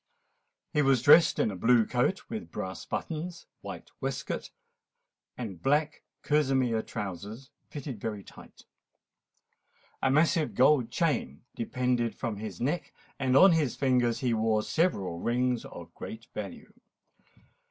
He was dressed in a blue coat with brass buttons, white waistcoat, and black kerseymere trousers fitting very tight. A massive gold chain depended from his neck; and on his fingers he wore several rings of great value.